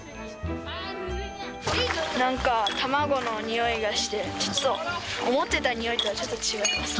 なんか、卵のにおいがして、ちょっと思ってたにおいとちょっと違います。